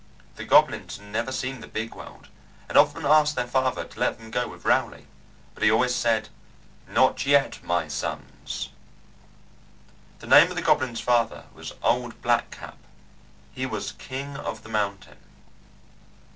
The goblins had never seen the Big World, and often asked their father to let them go with Rowley, but he always said, "Not yet, my sons." The name of the goblins' father was Old Black Cap. He was King of the Mountain.